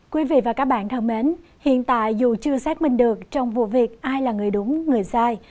quý vị và các bạn thân mến hiện tại dù chưa xác minh được trong vụ việc ai là người đúng người sai